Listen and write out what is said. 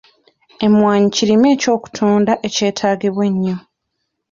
Emmwanyi kirime eky'okutunda ekyetaagibwa ennyo.